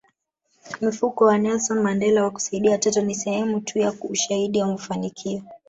Mfuko wa Nelson Mandela wa kusaidia watoto ni sehemu tu ya ushahidi wa mafanikio